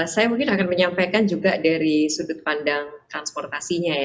saya mungkin akan menyampaikan juga dari sudut pandang transportasinya ya